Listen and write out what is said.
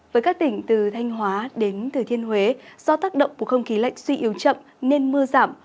với các tỉnh từ thanh hóa đến thừa thiên huế do tác động của không khí lạnh suy yếu chậm nên mưa giảm